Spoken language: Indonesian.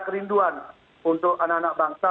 kerinduan untuk anak anak bangsa